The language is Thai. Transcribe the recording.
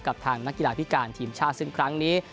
กับทางนักกีฬาพิการทีมชาติซึ่งครั้งนี้